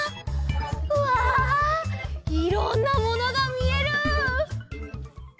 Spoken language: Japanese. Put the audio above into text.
うわいろんなものがみえる！